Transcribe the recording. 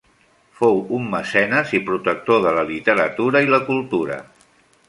Fou un mecenes i protector de la literatura i la cultura.